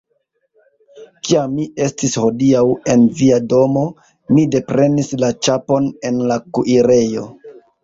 Kiam mi estis hodiaŭ en via domo, mi deprenis la ĉapon en la kuirejo.